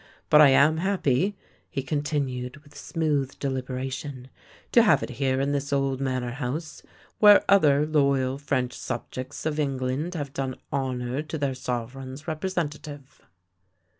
But I am happy," he continued with smooth deliberation, " to have it here in this old Manor House, where other loyal French subjects of England have done honour to their sovereign's representative."